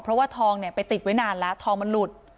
เพราะว่าทองเนี่ยไปติดไว้นานแล้วทองมันหลุด